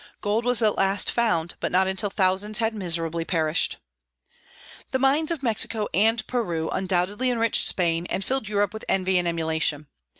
Gold was at last found, but not until thousands had miserably perished. The mines of Mexico and Peru undoubtedly enriched Spain, and filled Europe with envy and emulation.